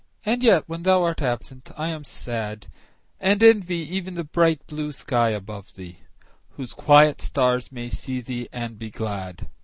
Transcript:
And yet when thou art absent I am sad; And envy even the bright blue sky above thee, Whose quiet stars may see thee and be glad.